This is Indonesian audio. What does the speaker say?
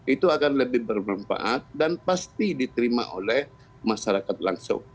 itu akan lebih bermanfaat dan pasti diterima oleh masyarakat langsung